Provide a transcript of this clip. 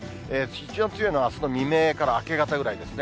一番強いのが、あすの未明から明け方ぐらいですね。